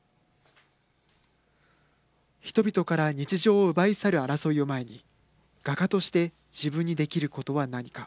人々から日常を奪い去る争いを前に画家として自分にできることは何か。